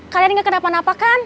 kalian gak kena panah apa kan